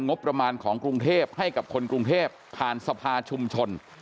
งบประมาณของกรุงเทพให้กับคนกรุงเทพผ่านสภาชุมชน